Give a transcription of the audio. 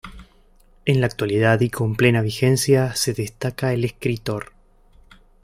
En la actualidad y con plena vigencia, se destaca el escritor.